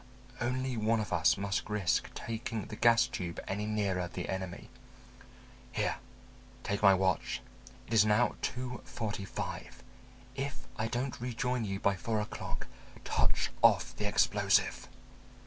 Only one of us must risk taking the gas tube any nearer the enemy. Here, take my watch. It is now two forty five. If I don't rejoin you by four o'clock touch off the explosive."